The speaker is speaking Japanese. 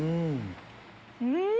うん！